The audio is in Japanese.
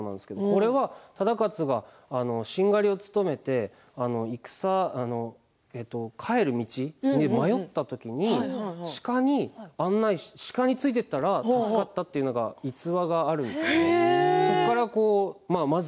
これは忠勝が、しんがりを務めて戦から帰る道に迷ったという時に鹿についていったら助かったという逸話があるんです。